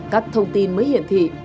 các thông tin mới hiển thị